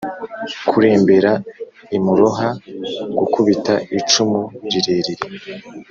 kurembere imuroha: gukubita icumu rirerire